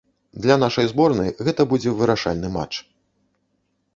Для нашай зборнай гэта будзе вырашальны матч.